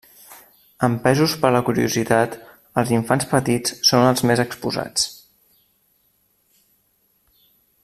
Empesos per la curiositat, els infants petits són els més exposats.